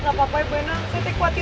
kenapa takut kak